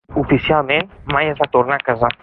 Oficialment mai es va tornar a casar.